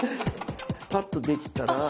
パッとできたら。